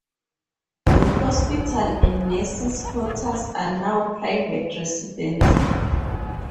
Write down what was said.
The hospital and nurses' quarters are now private residences.